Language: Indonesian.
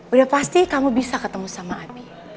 udah pasti kamu bisa ketemu sama abi